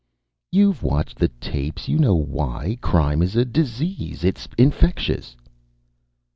"You've watched the tapes, you know why. Crime is a disease. It's infectious."